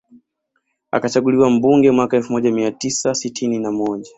Akachaguliwa mbunge mwaka elfu moja mia tisa sitini na moja